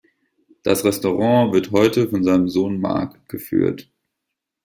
Das Restaurant wird heute von seinem Sohn Marc geführt.